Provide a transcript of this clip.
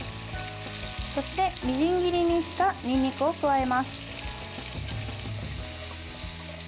そして、みじん切りにしたにんにくを加えます。